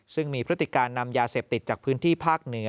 ซึ่งมีพฤติการนำยาเสพติดจากพื้นที่ภาคเหนือ